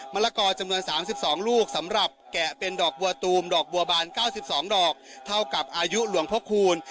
ละกอจำนวน๓๒ลูกสำหรับแกะเป็นดอกบัวตูมดอกบัวบาน๙๒ดอกเท่ากับอายุหลวงพระคูณ